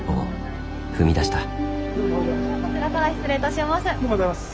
こちらから失礼いたします。